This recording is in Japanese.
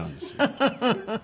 フフフフ。